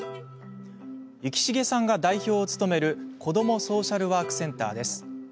幸重さんが代表を務めるこどもソーシャルワークセンターです。